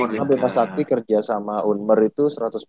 di masakti kerja sama unmer itu seratus